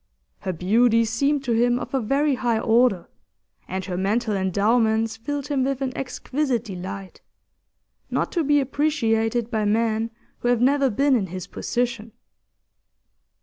Her beauty seemed to him of a very high order, and her mental endowments filled him with an exquisite delight, not to be appreciated by men who have never been in his position.